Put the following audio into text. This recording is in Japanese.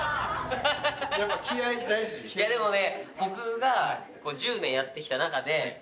いやでもね。